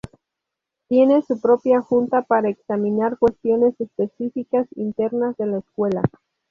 Tiene su propia junta para examinar cuestiones específicas internas de la escuela.